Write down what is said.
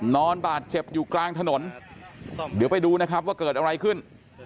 นอนบาดเจ็บอยู่กลางถนนเดี๋ยวไปดูนะครับว่าเกิดอะไรขึ้น